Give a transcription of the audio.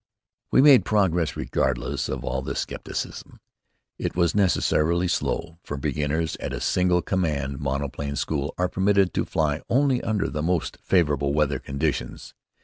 We made progress regardless of all this skepticism. It was necessarily slow, for beginners at a single command monoplane school are permitted to fly only under the most favorable weather conditions.